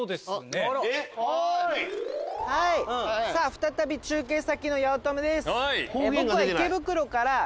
再び中継先の八乙女です。